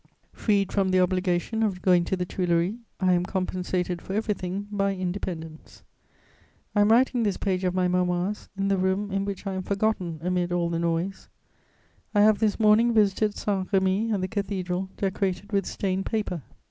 Freed from the obligation of going to the Tuileries, I am compensated for everything by independence. "I am writing this page of my Memoirs in the room in which I am forgotten amid all the noise. I have this morning visited Saint Remi and the Cathedral decorated with stained paper.